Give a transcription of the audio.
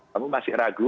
kamu masih ragu